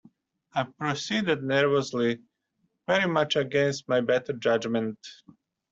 I proceeded nervously, very much against my better judgement.